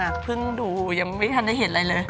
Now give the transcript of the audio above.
แล้วคุณพูดกับอันนี้ก็ไม่รู้นะผมว่ามันความเป็นส่วนตัวซึ่งกัน